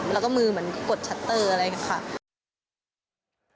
แล้วก็มือเหมือนกดชัตเตอร์อะไรอย่างนี้ค่ะ